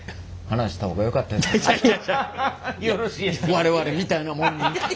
我々みたいなもんに。